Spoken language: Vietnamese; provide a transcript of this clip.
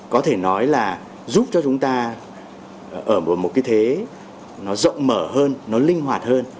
có thể nói là giúp cho chúng ta ở một thế rộng mở hơn linh hoạt hơn